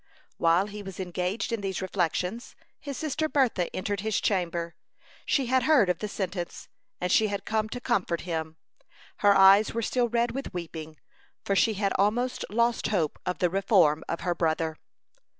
While he was engaged in these reflections, his sister Bertha entered his chamber. She had heard of the sentence, and she had come to comfort him. Her eyes were still red with weeping, for she had almost lost hope of the reform of her brother.